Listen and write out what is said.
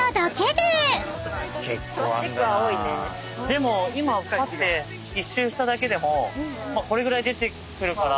でも今ぱって１周しただけでもこれぐらい出てくるから。